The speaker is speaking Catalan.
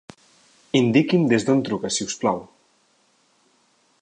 Indiqui'm des d'on em truca si us plau.